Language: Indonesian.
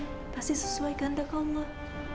hanya untukmu sendiri akan dihentikan